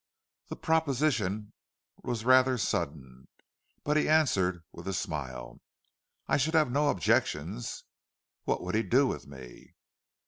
The proposition was rather sudden, but he answered, with a smile, "I should have no objections. What would he do with me?"